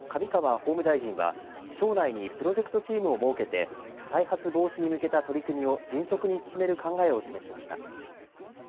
法務大臣は省内にプロジェクトチームを設けて再発防止に向けた取り組みを迅速に進める考えを示しました。